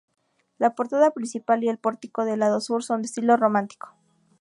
La portada principal y el pórtico del lado sur son de estilo románico.